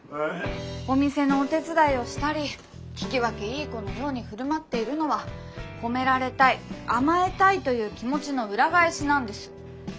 お店のお手伝いをしたり聞き分けいい子のように振る舞っているのは褒められたい甘えたいという気持ちの裏返しなんです。